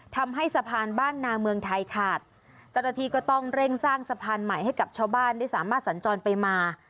ทำให้สะพานบ้านนาเมืองไทยขาดเจ้าหน้าที่ก็ต้องเร่งสร้างสะพานใหม่ให้กับชาวบ้านได้สามารถสัญจรไปมา